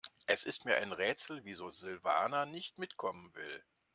Es ist mir ein Rätsel, wieso Silvana nicht mitkommen will.